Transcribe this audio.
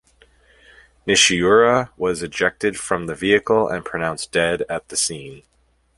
Nishiura was ejected from the vehicle and pronounced dead at the scene.